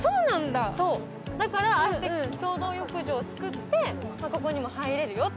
だから、ああして共同浴場を作ってここにも入れるよって。